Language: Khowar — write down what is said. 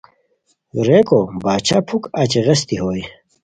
ریکو باچھا پھوک اچی غیستی ہوئے